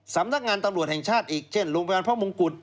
สำนักงานตำรวจแห่งชาติอีกเช่นโรงพยาบาลพระมงกุฎ